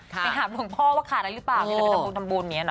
ไปถามหลวงพ่อว่าขาดอะไรหรือเปล่าถ้าเป็นทำบุญทำบุญเนี่ยหรอ